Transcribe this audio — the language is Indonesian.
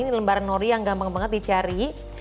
ini lembaran nori yang gampang banget dicari